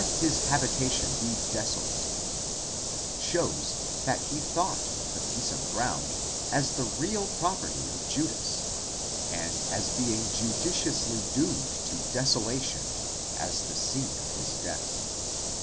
his habitation be desolate, γενηθήτω ἣ ἔπαυλις αὐτοῦ ἔρημος, shows that he thought of the piece of ground as the real property of Judas, and as being judicially doomed to deso lation as the scene of his death.